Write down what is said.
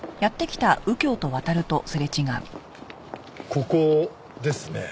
ここですね。